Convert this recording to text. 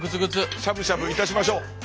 しゃぶしゃぶいたしましょう。